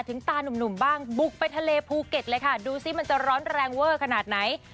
ตานุ่มบ้างบุกไปทะเลภูเก็ตเลยค่ะดูสิมันจะร้อนแรงเวอร์ขนาดไหน